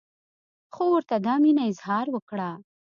خو ورته دا مینه اظهار وکړه.